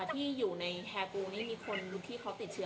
ตอนนี้ที่